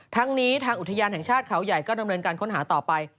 ทั้งนี้ทางอุทยานแห่งชาติเขาใหญ่ก็ดำเนินการค้นหาต่อไป